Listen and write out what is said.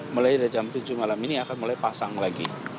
mulai dari jam tujuh malam ini akan mulai pasang lagi